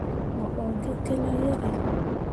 Mo ur gi kene yerre ?